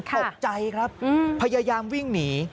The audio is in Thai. ตกใจครับพยายามวิ่งหนี